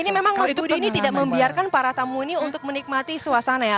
tapi memang mas budi ini tidak membiarkan para tamu ini untuk menikmati suasana ya